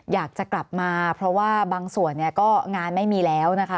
อยากจะกลับมาเพราะว่าบางส่วนเนี่ยก็งานไม่มีแล้วนะคะ